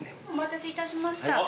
お待たせいたしました。